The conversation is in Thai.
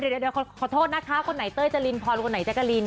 เดี๋ยวขอโทษนะคะคนไหนเต้ยจรินพรคนไหนแจ๊กกะลิน